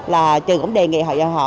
là trường cũng đề nghị họ